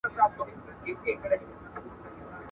هغه يوه خښمجنه او د مرګ دېوي ده